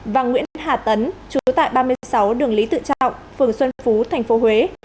và nguyễn hà tấn chú tại ba mươi sáu đường lý tự trọng phường xuân phú tp huế